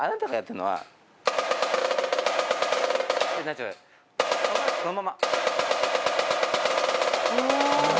そのまま。